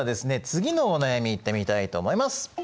次のお悩みいってみたいと思います。